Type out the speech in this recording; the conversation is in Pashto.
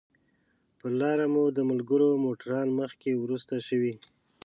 پر لاره مو د ملګرو موټران مخکې وروسته شوي.